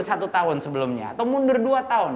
satu tahun sebelumnya atau mundur dua tahun